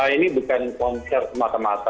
ini bukan konser semata mata